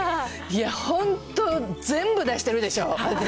いや、本当、全部出してるでしょう、私。